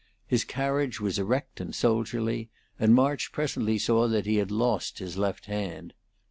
His carriage was erect and soldierly, and March presently saw that he had lost his left hand.